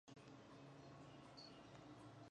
د تخمیر شوي خواړو استعمال د کولمو لپاره ګټور دی.